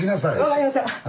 分かりました。